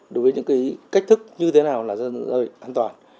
đối với những cách thức như thế nào là giao dịch an toàn